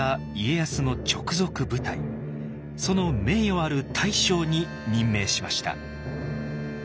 その名誉ある大将に任命しました。